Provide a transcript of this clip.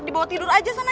dibawa tidur aja sana